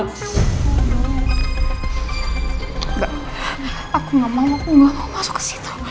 mbak aku gak mau aku gak mau masuk ke situ